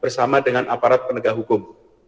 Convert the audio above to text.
bersama dengan aparat penegak hukum